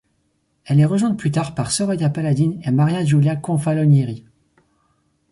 Elle est rejointe plus tard par Soraya Paladin et Maria Giulia Confalonieri.